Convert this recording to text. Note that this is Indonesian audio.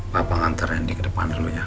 papa nganter randy ke depan dulu ya